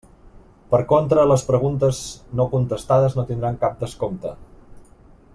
Per contra, les preguntes no contestades no tindran cap descompte.